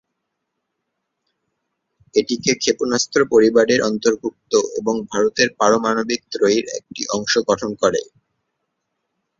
এটি কে ক্ষেপণাস্ত্র পরিবারের অন্তর্ভুক্ত এবং ভারতের পারমাণবিক ত্রয়ীর একটি অংশ গঠন করে।